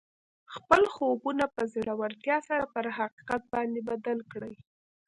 خپل خوبونه په زړورتیا سره پر حقیقت باندې بدل کړئ